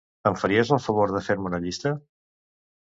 Em faries el favor de fer-me una llista?